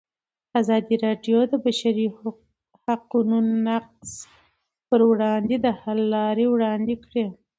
ازادي راډیو د د بشري حقونو نقض پر وړاندې د حل لارې وړاندې کړي.